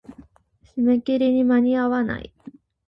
締め切りに間に合わない。